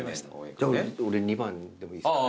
じゃあ俺２番でもいいですか？